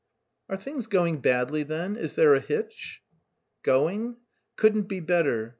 "Are things going badly then? Is there a hitch?" "Going? Couldn't be better.